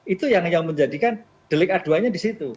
itu yang menjadikan delik aduanya disitu